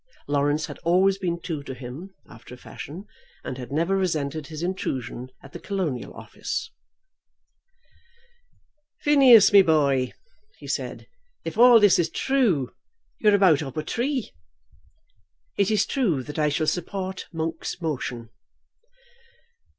Laurence had always been true to him after a fashion, and had never resented his intrusion at the Colonial Office. "Phineas, me boy," he said, "if all this is thrue, you're about up a tree." "It is true that I shall support Monk's motion."